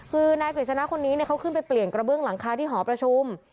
คือนายกฤษณะคนนี้เขาขึ้นไปเปลี่ยนกระเบื้องหลังคาที่หอประชุม